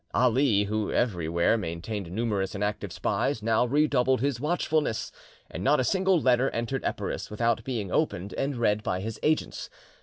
Ali, who every where maintained numerous and active spies, now redoubled his watchfulness, and not a single letter entered Epirus without being opened and read by his agents.